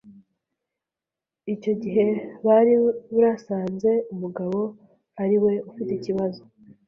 icyo gihe bari brasanze umugabo ari we ufite ikibazo